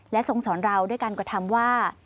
ทรงสอนเราด้วยการกระทำว่า